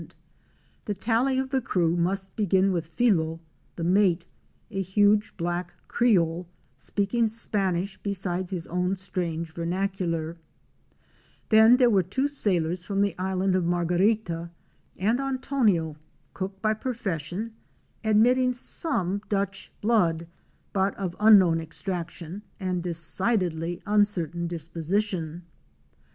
Te, The tally of the crew must begin with Filo, the mate, a huge black creole, speaking Spanish besides his own strange vernacular; then there were two sailors from the Island of Margarita, and Antonio, cook by profession, admitting some Dutch blood, but of unknown extraction and decidedly un certain disposition.